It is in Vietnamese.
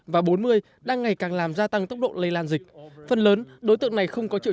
và bốn mươi đang ngày càng làm gia tăng tốc độ lây lan dịch phần lớn đối tượng này không có triệu